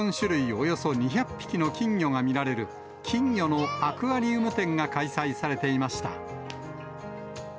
およそ２００匹の金魚が見られる、金魚のアクアリウム展が開催されていました。